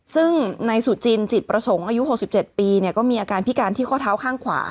ซึ่งนายสุจินจิตประสงค์อายุ๖๗ปีก็มีอาการพิการที่ข้อเท้าข้างขวา